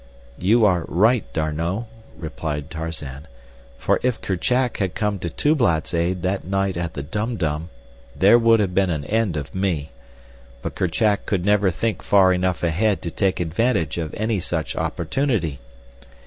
"You are right, D'Arnot," replied Tarzan, "for if Kerchak had come to Tublat's aid that night at the Dum Dum, there would have been an end of me. But Kerchak could never think far enough ahead to take advantage of any such opportunity.